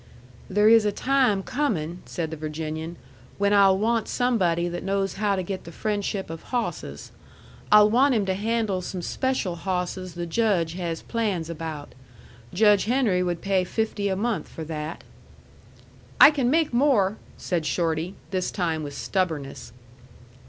"There is a time coming," said the Virginian, "when I'll want somebody that knows how to get the friendship of hawsses. I'll want him to handle some special hawsses the Judge has plans about. Judge Henry would pay fifty a month for that." "I can make more," said Shorty, this time with stubbornness.